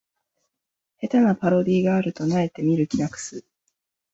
下手なパロディがあると萎えて見る気なくす